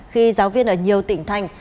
khi giáo viên ở nhiều tỉnh thành